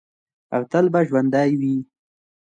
او تل به ژوندی وي.